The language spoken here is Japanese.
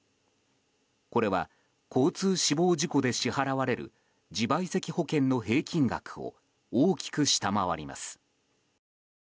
これは、交通死亡事故で支払われる自賠責保険の平均額を大きく下回ります。